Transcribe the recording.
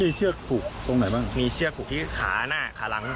แล้วมีเชือกปลูกตรงไหนบ้างมีเชือกปลูกที่ขาหน้าขาหลัง